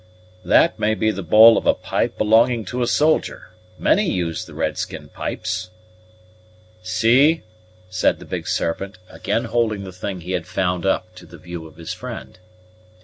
"That may be the bowl of a pipe belonging to a soldier. Many use the red skin pipes." "See," said the Big Serpent, again holding the thing he had found up to the view of his friend.